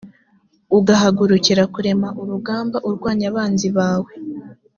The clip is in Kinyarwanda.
ugahagurukira kurema urugamba urwanya abanzi bawe,